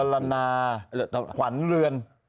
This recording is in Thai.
หมื่นตรีละละนารีกวรรณเรือน